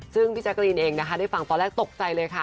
ซึ่งพี่แจ๊กรีนเองนะคะได้ฟังตอนแรกตกใจเลยค่ะ